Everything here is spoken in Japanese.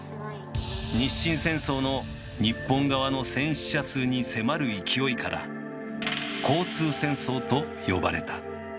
日清戦争の日本側の戦死者数に迫る勢いから「交通戦争」と呼ばれた。